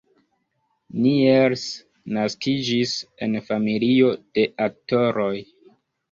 Niels naskiĝis en familio de aktoroj.